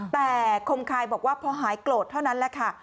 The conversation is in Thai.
แต่คมคายบอกว่าพอหายโกรธเท่านั้นแหละค่ะ